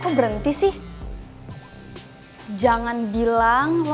kalau ngerasain teman teman yang nanti rasain metre toko